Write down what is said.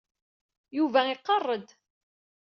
Yuba iqarr-d.